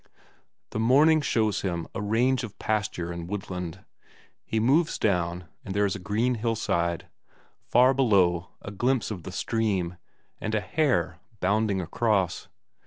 The morning shows him a range of pasture and woodland. He moves down, and there is a green hillside; far below, a glimpse of the stream, and a hare bounding across.